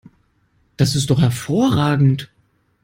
Das ist doch hervorragend!